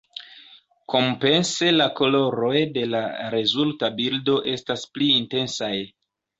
Kompense la koloroj de la rezulta bildo estas pli intensaj.